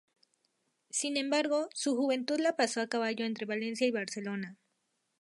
Sin embargo, su juventud la pasó a caballo entre Valencia y Barcelona.